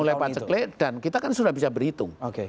mulai paceklik dan kita kan sudah bisa berhitung